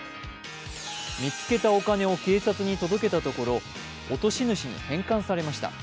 見つけたお金を警察に届けたところ、落とし主に返還されました。